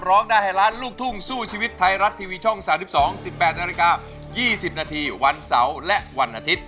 ร้องได้ให้ล้านลูกทุ่งสู้ชีวิตไทยรัฐทีวีช่อง๓๒๑๘นาฬิกา๒๐นาทีวันเสาร์และวันอาทิตย